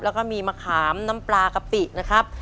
แล้วก็มีมะขามน้ำปลากะปินะครับ